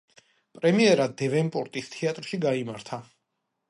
პრემიერა „დევენპორტის თეატრში“ გაიმართა.